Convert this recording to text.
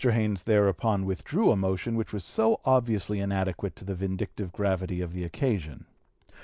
Haynes thereupon withdrew a motion which was so obviously inadequate to the vindictive gravity of the occasion.